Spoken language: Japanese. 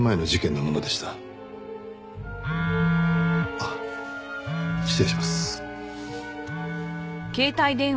あっ失礼します。